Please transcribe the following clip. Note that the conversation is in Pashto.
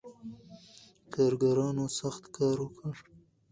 کارګرانو سخت کار وکړ.